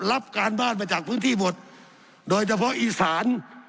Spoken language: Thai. รับการบ้านมาจากพื้นที่หมดโดยเฉพาะอีสาน